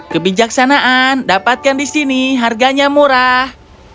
kebijaksanaan dapatkan di sini harganya murah